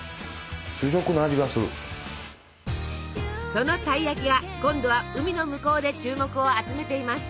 そのたい焼きが今度は海の向こうで注目を集めています！